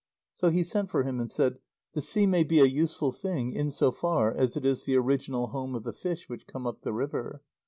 So he sent for him, and said: "The sea may be a useful thing, in so far as it is the original home of the fish which come up the river.